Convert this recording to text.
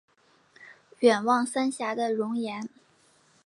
远望三峡的容颜